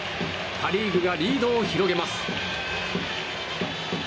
パ・リーグがリードを広げます。